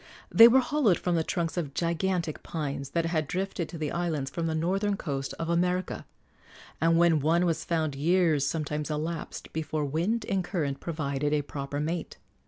They were hollowed from the trunks of gigantic pines that had drifted to the islands from the northern coast of America, and when one was found years sometimes elapsed before wind and current provided a proper mate.